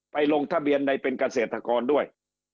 ลงทะเบียนในเป็นเกษตรกรด้วย